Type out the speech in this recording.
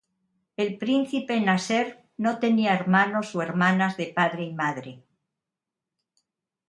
El Príncipe Nasser no tenía hermanos o hermanas de padre y madre.